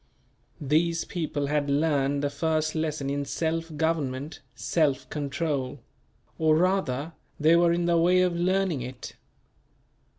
These people had learned the first lesson in self government self control; or rather, they were in the way of learning it.